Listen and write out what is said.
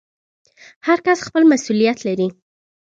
هر کس خپل مسوولیت لري